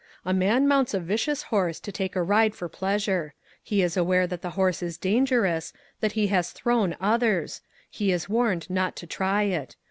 A man mounts a vicious horse to take a ride for pleasure ; he is aware that the horse is dangerous, that he has thrown others ; he is warned not to try it.